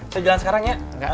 saya jalan sekarang ya